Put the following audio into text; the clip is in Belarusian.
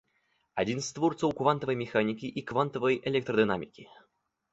Адзін з творцаў квантавай механікі і квантавай электрадынамікі.